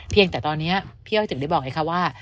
แต่ตอนนี้พี่อ้อยถึงได้บอกไงคะว่า